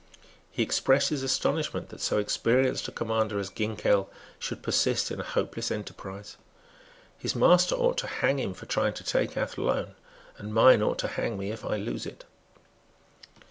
He expressed his astonishment that so experienced a commander as Ginkell should persist in a hopeless enterprise. "His master ought to hang him for trying to take Athlone; and mine ought to hang me if I lose it."